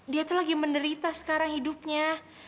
dia itu lagi menderita sekarang hidupnya